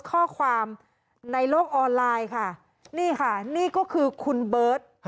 ข้อความในโลกออนไลน์ค่ะนี่ค่ะนี่ก็คือคุณเบิร์ต